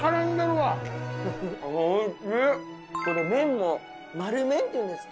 これ麺も丸麺っていうんですか？